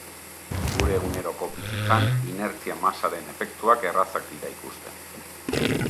Gure eguneroko bizitzan, inertzia-masaren efektuak errazak dira ikusten.